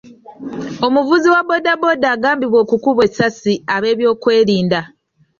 Omuvuzi wa bbooda bbooda agambibwa okukubwa essasi ab'ebyokwerinda.